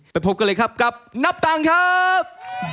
ไปพบกันเลยครับกับนับตังค์ครับ